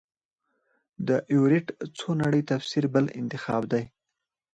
د ایورېټ څو نړۍ تفسیر بل انتخاب دی.